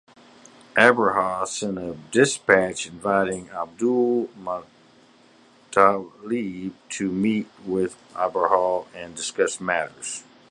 Abraha sent a dispatch inviting Abdul-Muttalib to meet with Abraha and discuss matters.